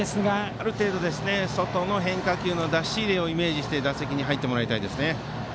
ある程度、外の変化球の出し入れをイメージして打席に入ってもらいたいですね。